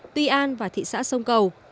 tuy an và thị xã sông cầu